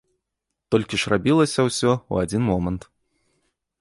Толькі ж рабілася ўсё ў адзін момант.